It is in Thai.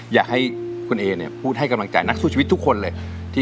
อยากให้คุณเอเนี่ยพูดให้กำลังใจนักสู้ชีวิตทุกคนเลย